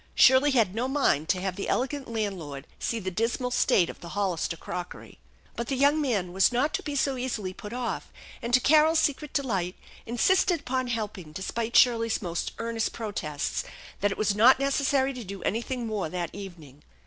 Shirley had no mind to have the elegant landlord see the dismal state of the Hollister crockery. But the young man was not to be so easily put off, and to Carol's secret delight insisted upon helping despite Shirley's most earnest protests that it was not necessary to do anything more that evening.